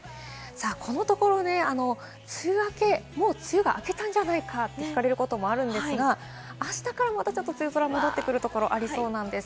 このところ梅雨明け、もう梅雨が明けたんじゃないかって聞かれることもあるんですが、あしたからまたちょっと梅雨空が戻ってくるところがありそうです。